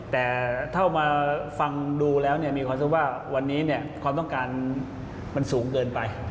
แต่ถ้าเมื่อมาฟังดูแล้วเนี่ยความต้องการสูงเกินไป